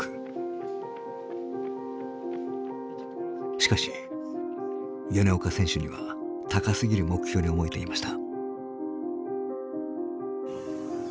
しかし米岡選手には高すぎる目標に思えていました。